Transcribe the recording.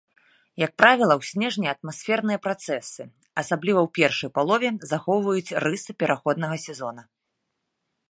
Як правіла, у снежні атмасферныя працэсы, асабліва ў першай палове, захоўваюць рысы пераходнага сезона.